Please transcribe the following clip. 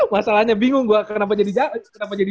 masalahnya bingung gue kenapa jadi